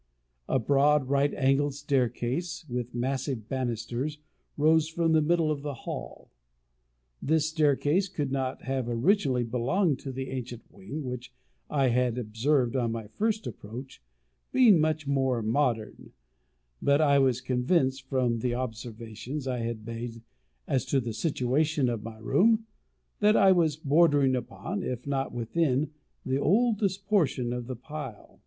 A broad, right angled staircase, with massive banisters, rose from the middle of the hall. This staircase could not have originally belonged to the ancient wing which I had observed on my first approach, being much more modern; but I was convinced, from the observations I had made as to the situation of my room, that I was bordering upon, if not within, the oldest portion of the pile.